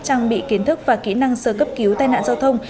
trang bị kiến thức và kỹ năng sơ cấp cứu tai nạn giao thông